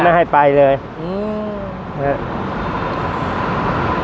สวัสดีครับ